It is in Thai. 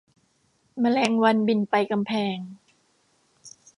แมลงวันบินไปกำแพง